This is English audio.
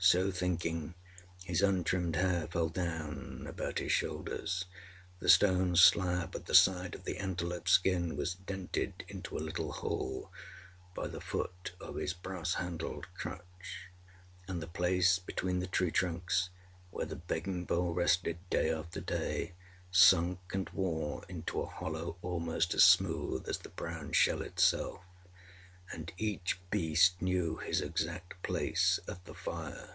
So thinking, his untrimmed hair fell down about his shoulders, the stone slab at the side of the antelope skin was dented into a little hole by the foot of his brass handled crutch, and the place between the tree trunks, where the begging bowl rested day after day, sunk and wore into a hollow almost as smooth as the brown shell itself; and each beast knew his exact place at the fire.